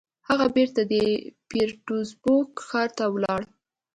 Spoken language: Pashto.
هغه بېرته د پيټرزبورګ ښار ته ولاړ.